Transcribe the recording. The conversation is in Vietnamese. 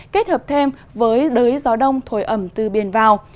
kết hợp thêm với đới gió đông thổi ẩm từ biển vào